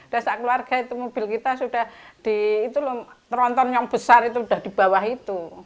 dan seorang keluarga itu mobil kita sudah di teronton yang besar itu sudah di bawah itu